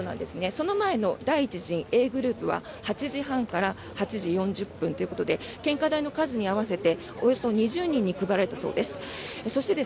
その前の第一陣Ａグループは８時半から８時４０分ということで献花台の数に合わせておよそ２０人に配られたそうです。